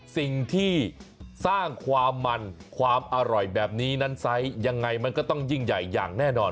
สิ่งที่สร้างความมันความอร่อยแบบนี้นั้นไซส์ยังไงมันก็ต้องยิ่งใหญ่อย่างแน่นอน